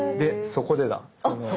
そこでだ。